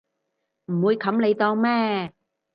唔會冚你檔咩